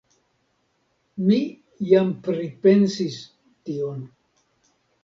Mi jam pripensis tion.